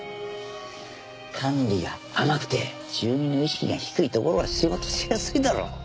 管理が甘くて住民の意識が低い所は仕事しやすいだろ。